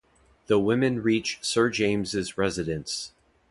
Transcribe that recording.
The women reach Sir James's residence.